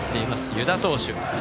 湯田投手。